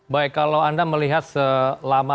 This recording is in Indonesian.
baik kalau anda melihat selama